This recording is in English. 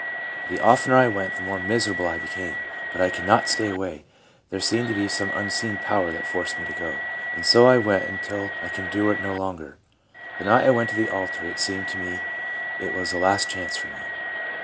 The of tener I went, the more miserable I became ; but I could not stay away ; there seemed to be some unseen power that forced me to go, and so I went until I could endure it no longer. The night I went to the altar it seemed to me it was a last chance for me.